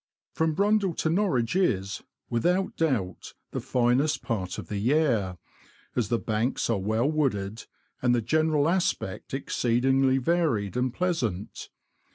From Brundall to Norwich is, without doubt, the finest part of the Yare, as the banks are well wooded, and the general aspect exceedingly varied and pleasant.